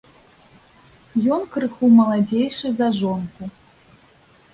Ён крыху маладзейшы за жонку.